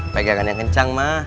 pegangan yang kencang ma